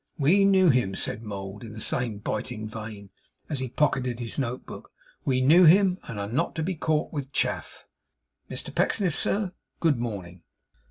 We knew him,' said Mould, in the same biting vein, as he pocketed his note book; 'we knew him, and are not to be caught with chaff. Mr Pecksniff, sir, good morning.